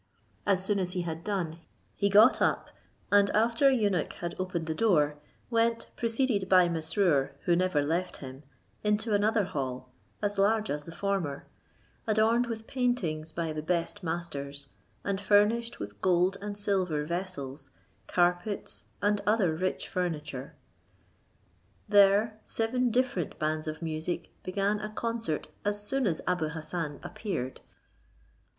As soon as he had done, he got up, and after an eunuch had opened the door, went, preceded by Mesrour, who never left him, into another hall, as large as the former, adorned with paintings by the best masters, and furnished with gold and silver vessels, carpets, and other rich furniture. There seven different bands of music began a concert as soon as Abou Hassan appeared.